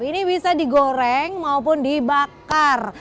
ini bisa digoreng maupun dibakar